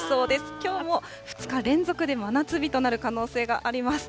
きょうも２日連続で真夏日となる可能性があります。